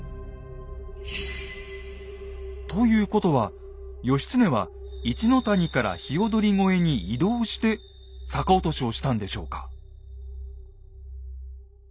ということは義経は一の谷から鵯越に移動して逆落としをしたんでしょうか。